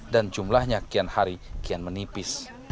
dan jumlahnya kian hari kian menipis